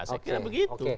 saya kira begitu